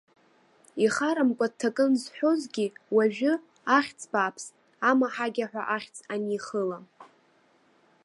Ихарамкәа дҭакын зҳәозгьы, уажәы, ахьӡ бааԥс, амаҳагьа ҳәа ахьӡ анихыла.